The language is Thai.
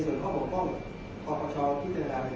แต่ว่าไม่มีปรากฏว่าถ้าเกิดคนให้ยาที่๓๑